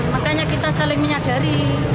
dan makanya kita saling menyadari